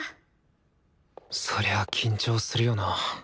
そりゃあ緊張するよな。